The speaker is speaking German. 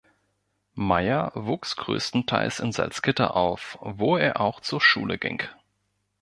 Meyer wuchs größtenteils in Salzgitter auf, wo er auch zur Schule ging.